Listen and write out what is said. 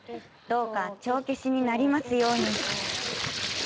どうか帳消しになりますように。